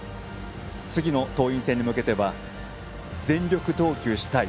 次の桐蔭戦に向けては全力投球したい。